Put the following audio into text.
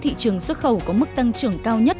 thị trường xuất khẩu có mức tăng trưởng cao nhất